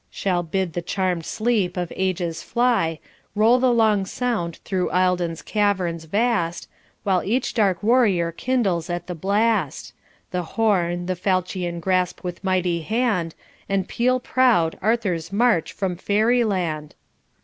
Shall bid the charmed sleep of ages fly, Roll the long sound through Eildon's caverns vast, While each dark warrior kindles at the blast: The horn, the falchion grasp with mighty hand, And peal proud Arthur's march from Fairy land?